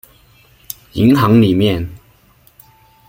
银行里面